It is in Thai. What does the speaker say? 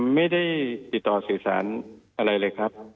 ไม่ได้ติดต่อสื่อสารอะไรเลยครับ